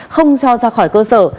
không cho ra khỏi cơ sở